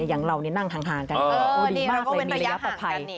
อย่างเรานั่งทางห่างกันดีมากเลยบริเวษประไพ